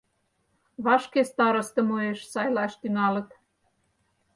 Вашке старостым уэш сайлаш тӱҥалыт.